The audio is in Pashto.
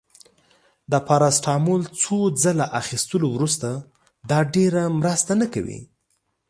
د پاراسټامول څو ځله اخیستلو وروسته، دا ډیره مرسته نه کوي.